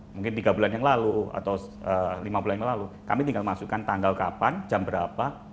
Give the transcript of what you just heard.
mungkin tiga bulan yang lalu atau lima bulan yang lalu kami tinggal masukkan tanggal kapan jam berapa